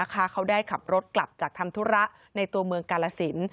เขาได้ขับรถกลับจากทำธุระในตัวเมืองกาลสิน